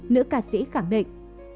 nữ ca sĩ khẳng định